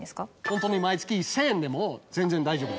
ホントに毎月１０００円でも全然大丈夫。